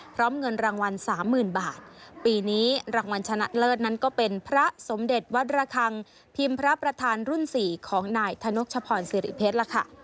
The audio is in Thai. เงินรางวัลสามหมื่นบาทปีนี้รางวัลชนะเลิศนั้นก็เป็นพระสมเด็จวัดระคังพิมพ์พระประธานรุ่นสี่ของนายธนกชพรสิริเพชรล่ะค่ะ